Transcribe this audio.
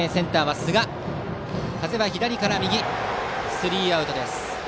スリーアウトです。